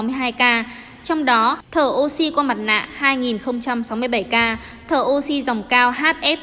trong đó thở oxy qua mặt nạ hai sáu mươi bảy ca thở oxy dòng cao hf